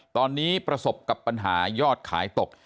ตอนนี้ประสบกับปัญหายอดขายตก